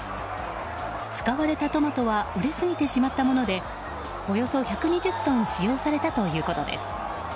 使われたトマトは熟れすぎてしまったものでおよそ１２０トン使用されたということです。